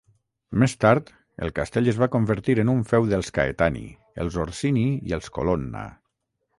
Més tard, el castell es va convertir en un feu dels Caetani, els Orsini i els Colonna.